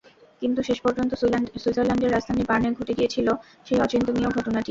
কিন্তু শেষ পর্যন্ত সুইজারল্যান্ডের রাজধানী বার্নে ঘটে গিয়েছিল সেই অচিন্তনীয় ঘটনাটিই।